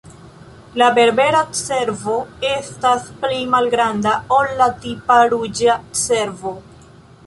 La Berbera cervo estas pli malgranda ol la tipa ruĝa cervo.